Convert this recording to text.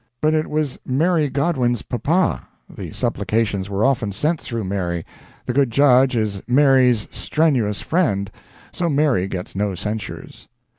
But it was Mary Godwin's papa, the supplications were often sent through Mary, the good judge is Mary's strenuous friend, so Mary gets no censures.